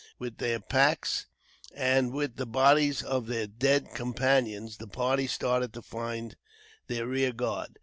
With their packs, and with the bodies of their dead companions, the party started to find their rear guard.